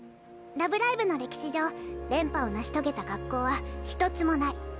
「ラブライブ！」の歴史上連覇を成し遂げた学校は一つもない。